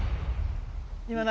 今何？